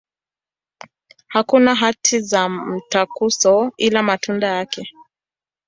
Hakuna hati za mtaguso, ila matunda yake.